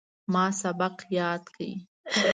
ما سبق یاد کړ.